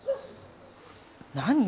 何？